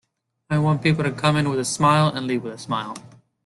I want people to come in with a smile and leave with a smile.